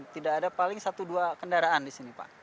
tidak ada paling satu dua kendaraan di sini pak